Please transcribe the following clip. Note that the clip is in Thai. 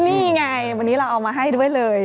นี่ไงวันนี้เราเอามาให้ด้วยเลย